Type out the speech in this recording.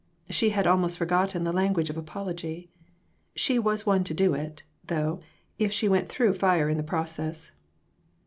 She had almost forgotten the language of apology. She was one to do it, though, if she went through fire in the process.